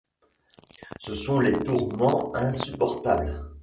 Ce sont des tourments insupportables.